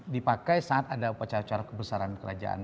dipakai saat ada upacara ucar kebesaran kerajaan